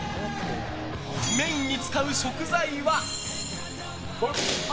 メインに使う食材は。